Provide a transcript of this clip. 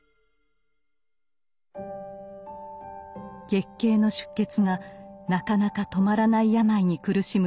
月経の出血がなかなか止まらない病に苦しむ女性がいました。